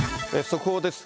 速報です。